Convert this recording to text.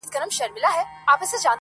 شمعي دي بلیږي او ګډیږي دي ړانده ورته؛